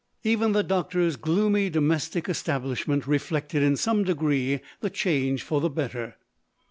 Even the doctor's gloomy domestic establishment reflected in some degree the change for the better.